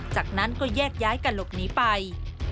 จากนั้นก็แยกย้ายกันหลบหนีไป